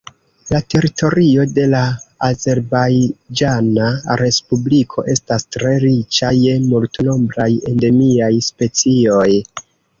La teritorio de la Azerbajĝana Respubliko estas tre riĉa je multnombraj endemiaj specioj.